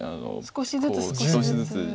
少しずつ少しずつ。